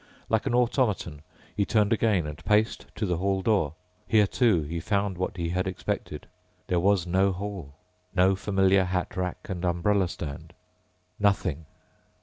Like an automaton he turned again and paced to the hall door. Here, too, he found what he had expected. There was no hall, no familiar hat rack and umbrella stand. Nothing....